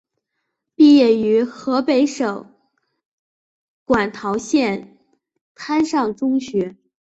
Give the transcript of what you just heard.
毕业于河北省馆陶县滩上中学。